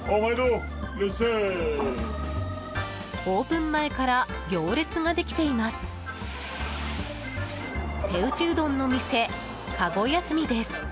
オープン前から行列ができています。